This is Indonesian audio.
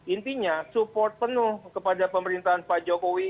intinya support penuh kepada pemerintahan pak jokowi